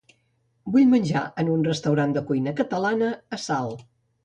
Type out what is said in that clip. Vull menjar en un restaurant de cuina catalana a Salt.